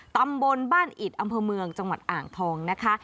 ตำบลบ้านอิดอำเภอเมืองจังหวัดอ่างทองนะคะ